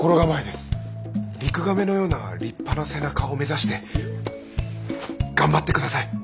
リクガメのような立派な背中を目指して頑張って下さい。